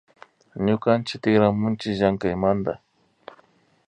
Ñukanchik tikramunchi llamkaymanta